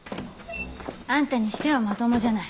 あんたにしてはまともじゃない。